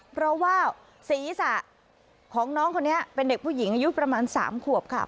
เพราะว่าศีรษะของน้องคนนี้เป็นเด็กผู้หญิงอายุประมาณ๓ขวบค่ะ